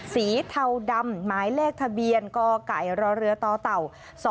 เทาดำหมายเลขทะเบียนกไก่รเรือต่อเต่า๒๕๖